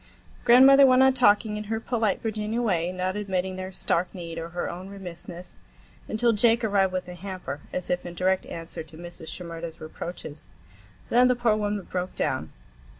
Grandmother went on talking in her polite Virginia way, not admitting their stark need or her own remissness, until Jake arrived with the hamper, as if in direct answer to Mrs. Shimerda's reproaches. Then the poor woman broke down.